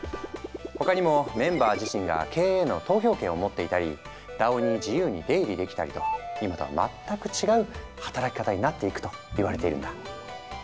他にもメンバー自身が経営への投票権を持っていたりＤＡＯに自由に出入りできたりと今とは全く違う働き方になっていくと言われているんだ。